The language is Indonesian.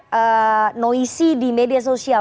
ada noisi di media sosial